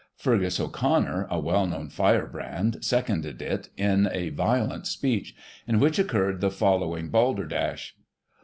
Feargus O'Connor, a well known firebrand, seconded it in a violent speech, in which occurred the following balderdash.